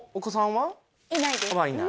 はいない。